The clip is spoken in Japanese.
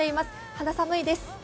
肌寒いです。